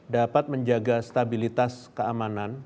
dapat menjaga stabilitas keamanan